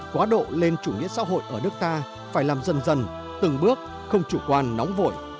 quá độ lên chủ nghĩa xã hội ở nước ta phải làm dần dần từng bước không chủ quan nóng vội